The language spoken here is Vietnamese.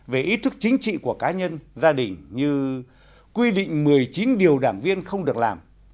về ý thức chính trị của cá nhân gia đình như quy định một mươi chín điều đảng viên không được làm